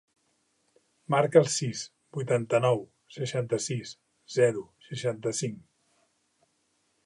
Marca el sis, vuitanta-nou, seixanta-sis, zero, seixanta-cinc.